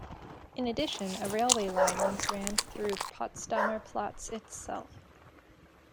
In addition, a railway line once ran through Potsdamer Platz itself.